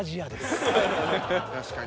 確かに。